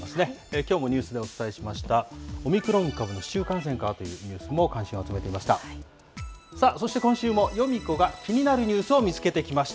きょうもニュースでお伝えしましたオミクロン株、市中感染かというニュースも関心を集めていました。